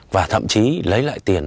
và thậm chí lấy lại tiền